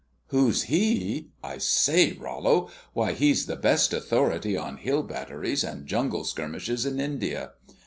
"Who's he? I say, Rollo! Why, he's the best authority on hill batteries and jungle skirmishes in India!